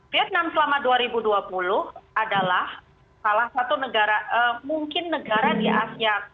vietnam selama dua ribu dua puluh adalah salah satu negara mungkin negara di asia